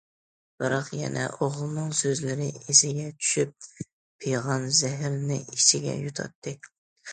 بىراق يەنە ئوغلىنىڭ سۆزلىرى ئېسىگە چۈشۈپ، پىغان زەھىرىنى ئىچىگە يۇتاتتى.